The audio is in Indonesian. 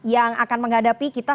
yang akan menghadapi kita